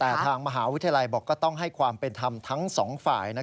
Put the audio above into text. แต่ทางมหาวิทยาลัยบอกก็ต้องให้ความเป็นธรรมทั้งสองฝ่าย